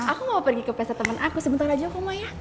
aku mau pergi ke pesta temen aku sebentar aja kamu ya